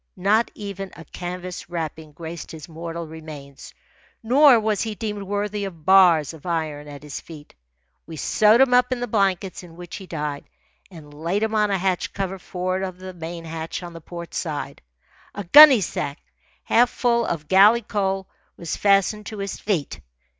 Not even a canvas wrapping graced his mortal remains; nor was he deemed worthy of bars of iron at his feet. We sewed him up in the blankets in which he died and laid him on a hatch cover for'ard of the main hatch on the port side. A gunnysack, half full of galley coal, was fastened to his feet.